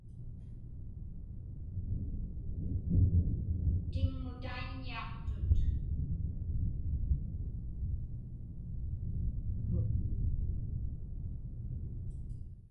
Tiŋŋutaiññiaqtut.